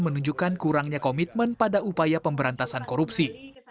menunjukkan kurangnya komitmen pada upaya pemberantasan korupsi